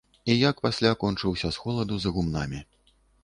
І як пасля кончыўся з холаду за гумнамі.